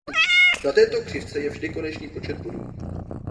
Na této křivce je vždy konečný počet bodů.